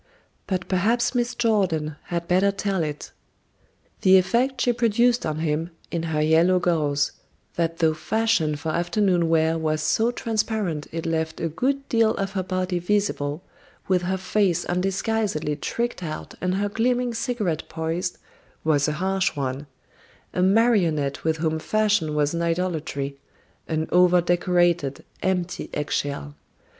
But perhaps Miss Jordan had better tell it: "The effect she produced on him, in her yellow gauze, that though fashioned for afternoon wear was so transparent it left a good deal of her body visible, with her face undisguisedly tricked out and her gleaming cigarette poised, was a harsh one a marionette with whom fashion was an idolatry; an over decorated, empty eggshell.